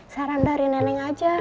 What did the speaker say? saran dari nenek aja